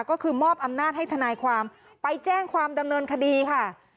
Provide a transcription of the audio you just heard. ก็คือมอบอำนาจให้ทนายความไปแจ้งความดำเนินคดีค่ะ